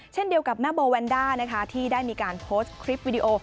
เช่นเดียวกับแม่โบแวนด้านะคะที่ได้มีการโพสต์คลิปวิดีโอ